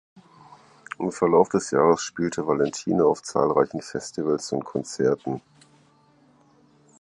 Im Verlauf des Jahres spielte Valentine auf zahlreichen Festivals und Konzerten.